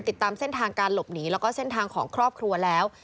ติดตามเส้นทางการหลบหนีแล้วก็เส้นทางของครอบครัวแล้ว